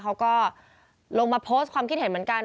เขาก็ลงมาโพสต์ความคิดเห็นเหมือนกัน